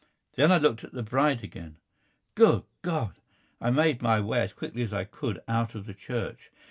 Then I looked at the bride again. Good God! I made my way, as quickly as I could, out of the church.